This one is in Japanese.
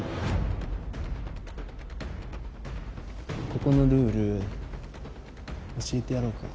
ここのルール教えてやろうか？